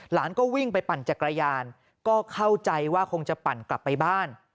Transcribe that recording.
หลานก็วิ่งไปปั่นจักรยานก็เข้าใจว่าคงจะปั่นกลับไปบ้าน